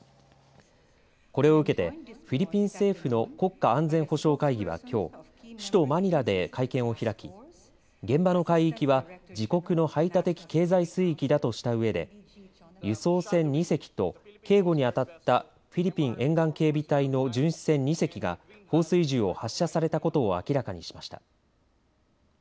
これを受けて、フィリピン政府の国家安全保障会議はきょう首都マニラで会見を開き現場の海域は自国の排他的経済水域だとしたうえで輸送船２隻と警護に当たったフィリピン沿岸警備隊の巡視船２隻が放水銃を発射されたことを明らかにしました。